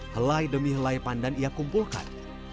helai demi helai pandan ia kumpulkan